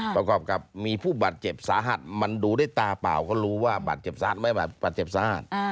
ประกอบกับมีผู้บาดเจ็บสาหัสมันดูด้วยตาเปล่าก็รู้ว่าบาดเจ็บสาหัสไม่บาดเจ็บสาหัส